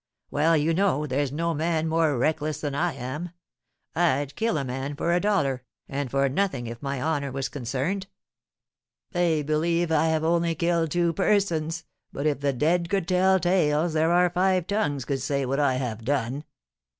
Well, you know, there's no man more reckless than I am I'd kill a man for a dollar, and for nothing if my honour was concerned; they believe I have only killed two persons, but if the dead could tell tales there are five tongues could say what I have done."